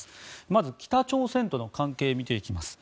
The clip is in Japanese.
まず北朝鮮との関係を見ていきます。